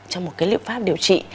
trong một cái liệu pháp điều trị